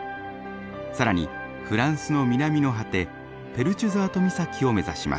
更にフランスの南の果てペルチュザート岬を目指します。